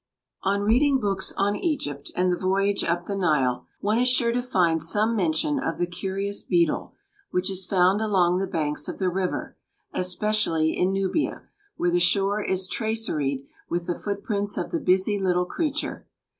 On reading books on Egypt and the voyage up the Nile, one is sure to find some mention of the curious beetle which is found along the banks of the river, especially in Nubia, where the shore is traceried with the footprints of the busy little creature.